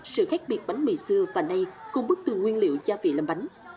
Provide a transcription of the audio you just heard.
sự khác biệt bánh mì xưa và nay cùng bức tường nguyên liệu gia vị làm bánh